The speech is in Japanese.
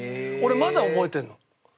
俺まだ覚えてるの。